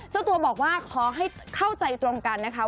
เจ้าตัวบอกว่าขอให้เข้าใจตรงกันนะคะ